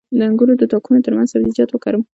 د انګورو د تاکونو ترمنځ سبزیجات وکرم؟